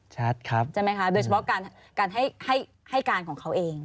ชัดครับใช่ไหมคะโดยเฉพาะการให้การของเขาเอง